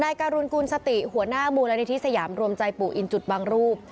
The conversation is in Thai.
การุณกูลสติหัวหน้ามูลนิธิสยามรวมใจปู่อินจุดบางรูป